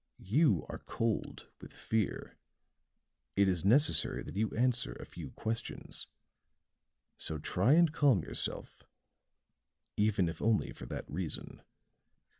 You are cold with fear. It is necessary that you answer a few questions; so try and calm yourself even if only for that reason."